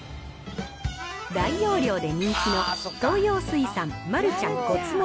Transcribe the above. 大容量で人気の東洋水産マルちゃんごつ盛り